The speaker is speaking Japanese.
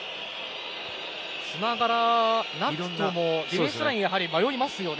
つながらなくともディフェンスラインは迷いますよね。